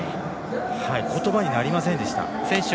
言葉になりませんでした。